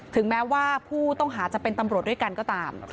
ถึงแม้ว่าผู้ต้องหาจะเป็นตำรวจด้วยกันก็ตาม